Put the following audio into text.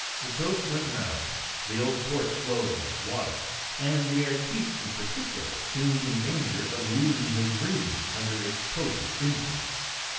The toasts went round, the old port flowed like water, and the artiste in particular seemed in danger of losing his reason under its potent influence.